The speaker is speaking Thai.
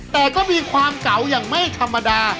แต่ก็มีความเก่าอย่างไม่ธรรมดา